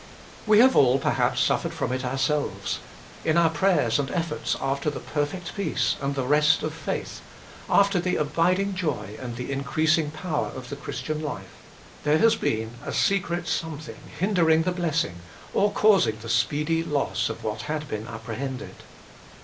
We have all, possibly, suffered from it ourselves : in our prayers and efforts after the perfect peace and the rest of faith, after the abiding joy and the increasing power of the Christian life, there has been a secret something hindering the blessing, or causing the speedy loss of what had been apprehended.